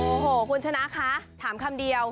โอ้โหคุณชนะคะถามคำเดียว